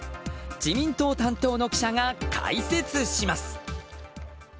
自民党担当の記者が解説します。